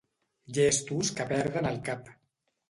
Llestos que perden el cap.